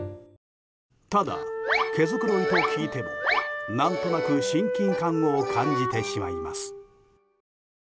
ただ、毛づくろいと聞いても何となく親近感を感じてしまいます。